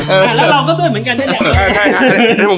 แล้วเราก็ด้วยเหมือนกันนั่นแหละ